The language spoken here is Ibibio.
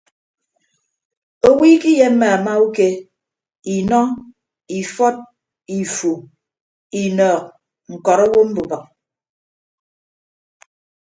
Owo ikiyemme amauke inọ ifọt ifu inọọk ñkọrọ owo mbubịk.